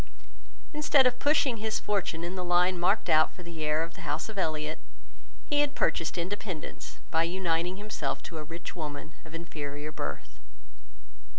Instead of pushing his fortune in the line marked out for the heir of the house of Elliot, he had purchased independence by uniting himself to a rich woman of inferior birth.